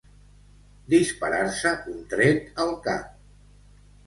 Disparar-se un tret al cap.